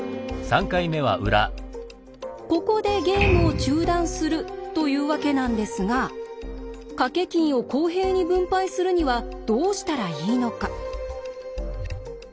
ここでゲームを中断するというわけなんですが賭け金を公平に分配するにはどうしたらいいのか。